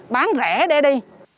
bán rẻ để đi